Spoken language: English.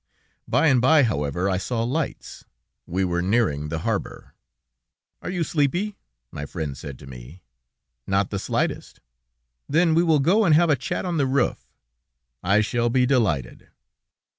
By and bye, however, I saw lights. We were nearing the harbor. "Are you sleepy?" my friend said to me. "Not the slightest." "Then we will go and have a chat on the roof." "I shall be delighted."